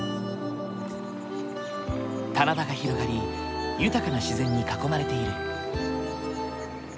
棚田が広がり豊かな自然に囲まれている。